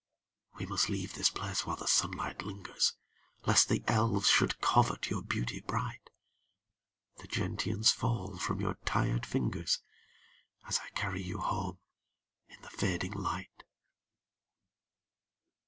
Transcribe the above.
We must leave this place while the sunlight lingers Lest the elves should covet your beauty bright. The gentians fall from your tired fingers As I carry you home in the fading light.